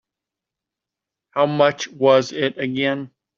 How much was it again?